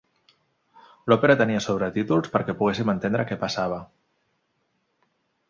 L'òpera tenia sobretítols perquè poguéssim entendre què passava.